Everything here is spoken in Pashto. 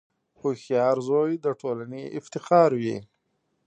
• هوښیار زوی د ټولنې افتخار وي.